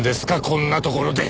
こんなところで。